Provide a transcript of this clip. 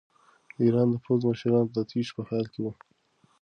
د ایران د پوځ مشران د تېښتې په حال کې وو.